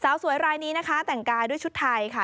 สาวสวยรายนี้นะคะแต่งกายด้วยชุดไทยค่ะ